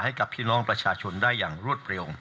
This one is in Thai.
ให้กับพี่น้องประชาชนได้อย่างรวดเร็ว